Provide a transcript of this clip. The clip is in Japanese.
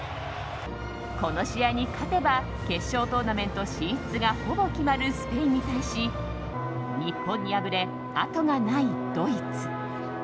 この試合に勝てば決勝トーナメント進出がほぼ決まるスペインに対し日本に敗れ、後がないドイツ。